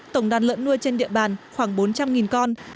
tổng đàn lợn nuôi trên địa bàn khoảng bốn trăm linh con